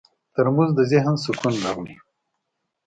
ترموز د ذهن سکون راوړي.